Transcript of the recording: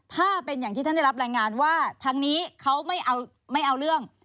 ถ้าเป็นอย่างที่ท่านได้รับรายงานว่าทางนี้เขาไม่เอาเรื่อง